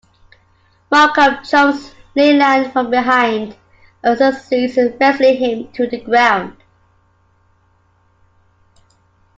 Malcolm jumps Leland from behind and succeeds in wrestling him to the ground.